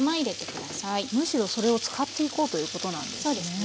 むしろそれを使っていこうということなんですね。